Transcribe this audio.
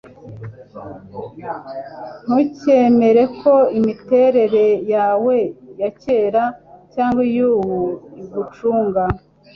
Ntukemere ko imiterere yawe ya kera cyangwa iyubu igucunga.